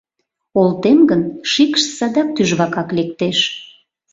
Олтем гын, шикш садак тӱжвакак лектеш.